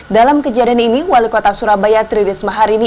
dalam kejadian ini wali kota surabaya tririsma hari ini